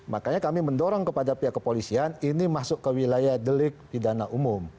makanya kami mendorong kepada pihak kepolisian ini masuk ke wilayah delik pidana umum